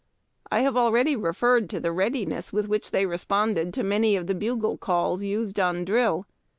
I have already referred to the readiness with which they responded to many of the bu^le ctills used on drill.